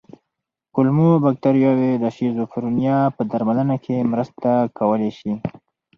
کولمو بکتریاوې د شیزوفرینیا په درملنه کې مرسته کولی شي.